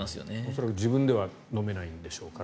それは自分では飲めないでしょうから。